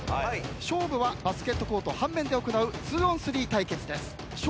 勝負はバスケットコート半面で行う２ｏｎ３対決です。笑